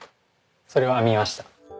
それを編みました。